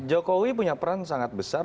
jokowi punya peran sangat besar